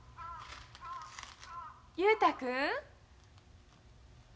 雄太君？